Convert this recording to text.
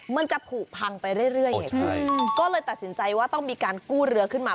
มันจะผูกพังไปเรื่อยไงก็เลยตัดสินใจว่าต้องมีการกู้เรือขึ้นมา